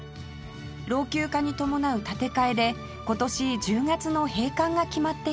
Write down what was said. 老朽化に伴う建て替えで今年１０月の閉館が決まっています